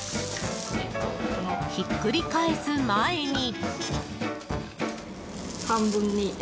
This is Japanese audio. ひっくり返す前に。